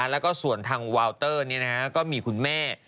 แล้วก็ส่วนทางวาวเตอร์ก็มีคุณแม่